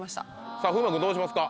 風磨君どうしますか？